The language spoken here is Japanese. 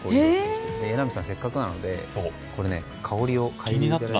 榎並さん、せっかくなので香りをかいでください。